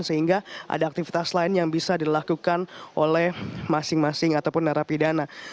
sehingga ada aktivitas lain yang bisa dilakukan oleh masing masing ataupun narapidana